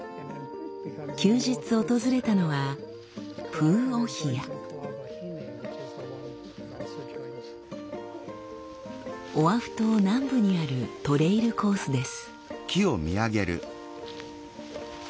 休日訪れたのはオアフ島南部にあるトレイルコースです。